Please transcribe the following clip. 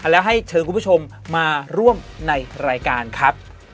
แล้วให้เชิญคุณผู้ชมมาร่วมในรายการครับ